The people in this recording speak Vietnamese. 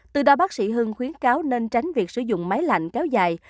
từ đó bác sĩ hưng khuyến cáo nên tránh việc sử dụng máy lạnh kéo dài